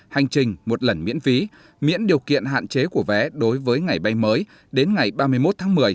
hành trình một lần miễn phí miễn điều kiện hạn chế của vé đối với ngày bay mới đến ngày ba mươi một tháng một mươi